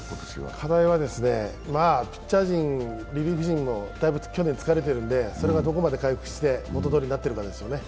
課題はピッチャー陣も打撃陣も去年疲れてるんでそれがどこまで回復して元どおりになってるかですね。